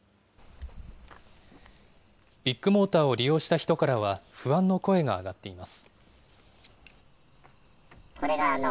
ビッグモーターを利用した人からは不安の声が上がっています。